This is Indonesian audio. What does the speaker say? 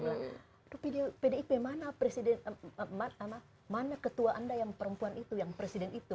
bilang pdip mana presiden mana ketua anda yang perempuan itu yang presiden itu